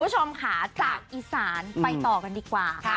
คุณผู้ชมค่ะจากอีสานไปต่อกันดีกว่า